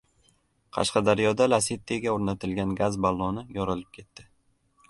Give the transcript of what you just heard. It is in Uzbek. Qashqadaryoda “Lasetti”ga o‘rnatilgan gaz balloni yorilib ketdi